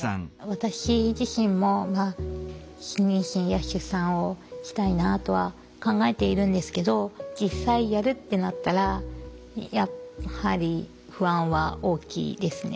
私自身も妊娠や出産をしたいなとは考えているんですけど実際やるってなったらやはり不安は大きいですね。